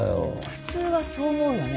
普通はそう思うよね。